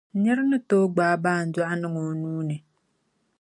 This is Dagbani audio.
Nir’ ni tooi gbaai baandɔɣu niŋ o nuu ni.